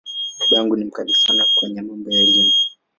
Baba yangu ni ‘mkali’ sana kwenye mambo ya Elimu.